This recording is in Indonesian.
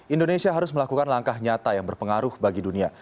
indonesia harus melakukan langkah nyata yang berpengaruh bagi dunia